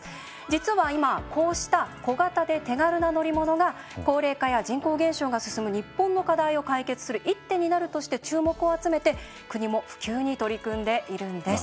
実は今こうした小型で手軽な乗り物が高齢化や人口減少が進む日本の課題を解決する一手になるとして注目を集めて国も普及に取り組んでいるんです。